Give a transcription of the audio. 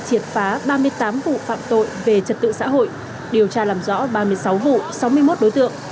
triệt phá ba mươi tám vụ phạm tội về trật tự xã hội điều tra làm rõ ba mươi sáu vụ sáu mươi một đối tượng